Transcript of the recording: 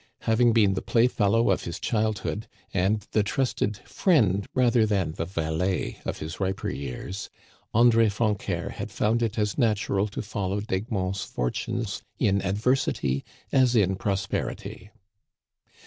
Having been the playfellow of his childhood, and the trusted friend rather than the valet of his riper years, André Francœur had found it as natural to follow D'Egmont's fortunes in adversity as in prosperity.